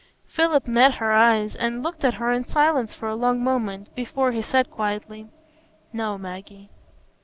Philip met her eyes and looked at her in silence for a long moment, before he said quietly, "No, Maggie."